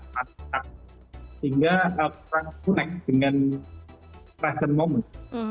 hanya sehingga orang connect dengan present moment